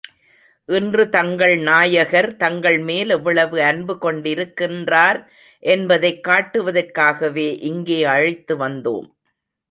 இன்று தங்கள் நாயகர், தங்கள் மேல் எவ்வளவு அன்பு கொண்டிருக்கின்றார் என்பதைக் காட்டுவதற்காகவே இங்கே அழைத்து வந்தோம்.